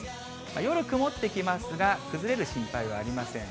夜曇ってきますが、崩れる心配はありません。